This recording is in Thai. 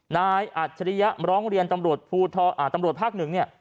อัจฉริยะร้องเรียนตำรวจตำรวจภาคหนึ่งเนี่ย